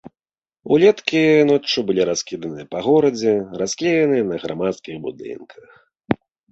Улёткі ноччу былі раскіданыя па горадзе, расклееныя на грамадскіх будынках.